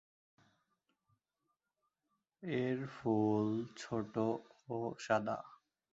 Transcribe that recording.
এর ফুল ছোট ও সাদা।